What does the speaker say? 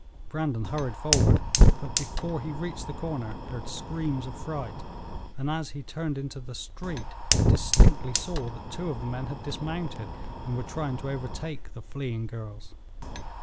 Brandon hurried forward, but before he reached the corner heard screams of fright, and as he turned into the street distinctly saw that two of the men had dismounted and were trying to overtake the fleeing girls.